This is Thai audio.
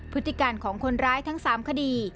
พฤติการของคนร้ายทั้ง๓คดี